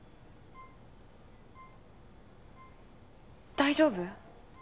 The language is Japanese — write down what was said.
大丈夫？